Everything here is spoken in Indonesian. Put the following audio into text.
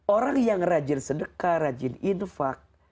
orang yang rajin sedekah rajin infak